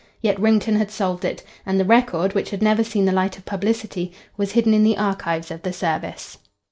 Yet Wrington had solved it, and the record, which had never seen the light of publicity, was hidden in the archives of the service.